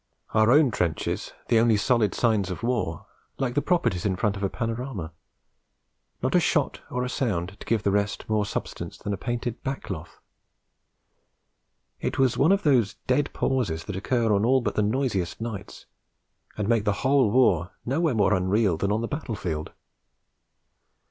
Our own trenches the only solid signs of war, like the properties in front of a panorama; not a shot or a sound to give the rest more substance than a painted back cloth. It was one of those dead pauses that occur on all but the noisiest nights, and make the whole war nowhere more unreal than on the battle field.